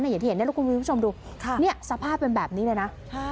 อย่างที่เห็นลูกคุณผู้ชมดูสภาพเป็นแบบนี้เลยนะ